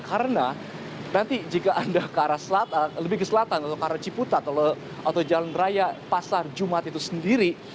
karena nanti jika anda ke arah selatan atau ke arah ciputat atau jalan raya pasar jumat itu sendiri